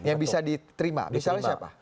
yang bisa diterima misalnya siapa